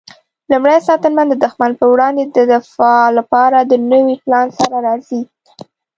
لومړی ساتنمن د دښمن پر وړاندې د دفاع لپاره د نوي پلان سره راځي.